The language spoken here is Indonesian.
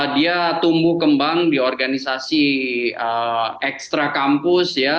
dia tumbuh kembang di organisasi ekstra kampus ya